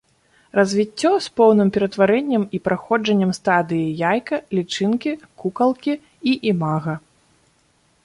Развіццё з поўным ператварэннем і праходжаннем стадыі яйка, лічынкі, кукалкі і імага.